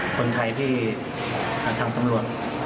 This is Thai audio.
คนไทยที่ทางตำรวจ